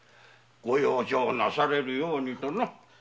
ご養生なされるようにとな。